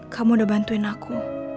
kamu udah bantuin aku